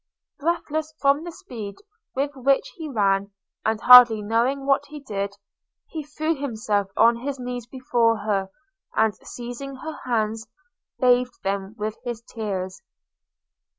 – Breathless from the speed with which he ran, and hardly knowing what he did, he threw himself on his knees before her, and, seizing her hands, bathed them with his tears.